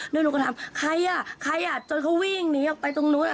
แล้วหนูก็ถามใครอ่ะใครอ่ะจนเขาวิ่งหนีออกไปตรงนู้น